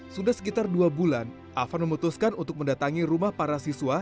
sudah sekitar dua bulan afan memutuskan untuk mendatangi rumah para siswa